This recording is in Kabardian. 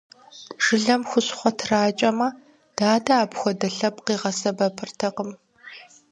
Жылэм хущхъуэ тракӀэмэ, дадэ апхуэдэ лъэпкъ къигъэсэбэпыртэкъым.